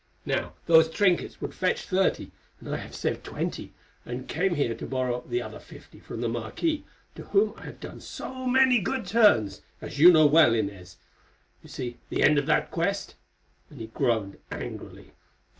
Now those trinkets would fetch thirty, and I have saved twenty, and came here to borrow the other fifty from the marquis, to whom I have done so many good turns—as you know well, Inez. You see the end of that quest," and he groaned angrily.